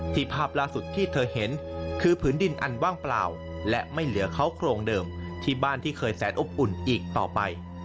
ภาพล่าสุดที่เธอเห็นคือผืนดินอันว่างเปล่าและไม่เหลือเขาโครงเดิมที่บ้านที่เคยแสนอบอุ่นอีกต่อไป